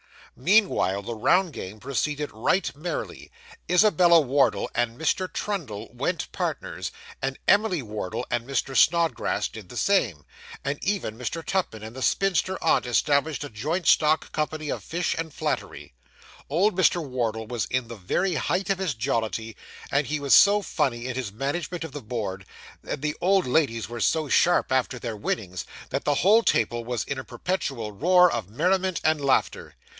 Meanwhile the round game proceeded right merrily. Isabella Wardle and Mr. Trundle 'went partners,' and Emily Wardle and Mr. Snodgrass did the same; and even Mr. Tupman and the spinster aunt established a joint stock company of fish and flattery. Old Mr. Wardle was in the very height of his jollity; and he was so funny in his management of the board, and the old ladies were so sharp after their winnings, that the whole table was in a perpetual roar of merriment and laughter.